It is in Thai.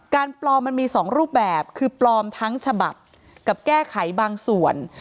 ปลอมมันมี๒รูปแบบคือปลอมทั้งฉบับกับแก้ไขบางส่วน